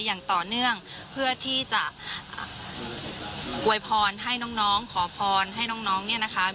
อย่างต่อเนื่องเพื่อที่จะอวยพรให้น้องน้องขอพรให้น้องน้องเนี่ยนะคะ